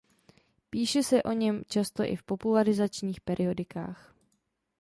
Píše se o něm často i v popularizačních periodikách.